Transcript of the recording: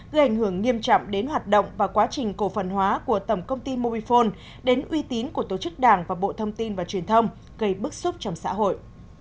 gây ảnh hưởng nghiêm trọng đến hoạt động và quá trình cổ phần hóa của tổng công ty mobifone đến uy tín của tổ chức đảng và bộ thông tin và truyền thông gây bức xúc trong xã hội